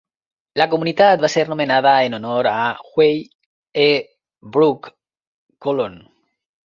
La comunitat va ser nomenada en honor a Huey E. Brock, colon.